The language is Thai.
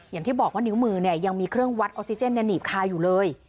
อย่างที่บอกว่านิ้วมือเนี่ยยังมีเครื่องวัดออกซิเจนหนีบคาอยู่เลย